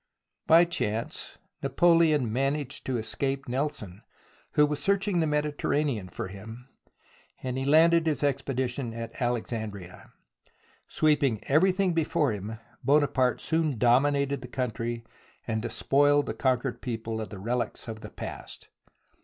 By chance. Napoleon managed to escape Nelson, who was searching the Mediterranean for him, and landed his expedition at Alexandria. Sweeping everything before him, Bonaparte soon dominated the country and despoiled the conquered people of the relics of the past.